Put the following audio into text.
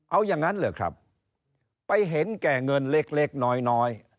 เอาอย่างนั้นเหรอครับไปเห็นแก่เงินเล็กน้อย